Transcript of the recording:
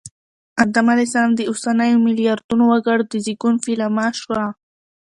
آدم علیه السلام د اوسنیو ملیاردونو وګړو د زېږون پیلامه شوه